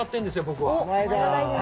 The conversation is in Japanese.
僕は。